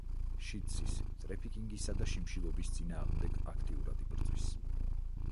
შიდსის, ტრეფიკინგისა და შიმშილობის წინააღმდეგ აქტიურად იბრძვის.